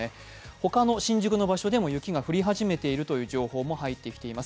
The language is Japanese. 他の新宿の場所でも雪が降り始めているという情報も入ってきています。